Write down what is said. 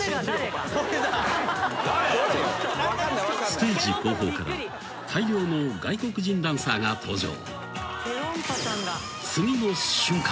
［ステージ後方から大量の外国人ダンサーが登場］